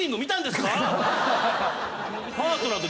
パートナーって。